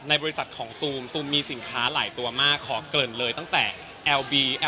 บริษัทของตูมตูมมีสินค้าหลายตัวมากขอเกริ่นเลยตั้งแต่แอลบี